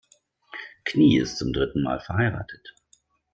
Knie ist zum dritten Mal verheiratet.